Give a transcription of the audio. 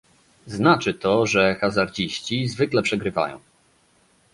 Znaczy to, że hazardziści zwykle przegrywają